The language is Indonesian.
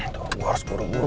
atau gue harus buru buru